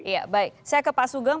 ya baik saya ke pak sugeng